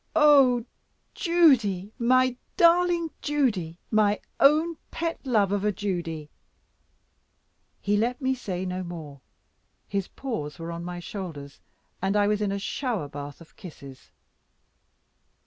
"Oh Judy, my darling Judy, my own pet love of a Judy." He let me say no more; his paws were on my shoulders, and I was in a shower bath of kisses.